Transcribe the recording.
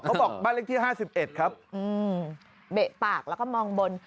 เขาบอกบ้านเลขที่ห้าสิบเอ็ดครับอืมเบะปากแล้วก็มองบน